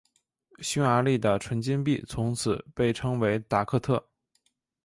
匈牙利的纯金币从此被称为达克特。